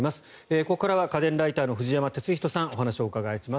ここからは家電ライターの藤山哲人さんにお話をお伺いします。